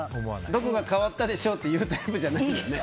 どこが変わったでしょうって言うタイプじゃないよね。